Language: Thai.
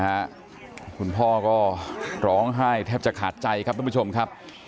คุณพ่อก็ร้องไห้แทบจะขาดใจครับทุกผู้ชมครับ